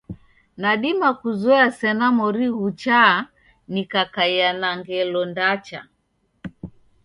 Nadima kuzoya sena mori ghuchaa nikakaia na ngelo ndacha.